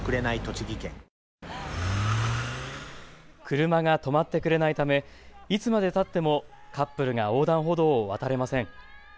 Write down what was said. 車が止まってくれないためいつまでたってもカップルが横断歩道を渡れません。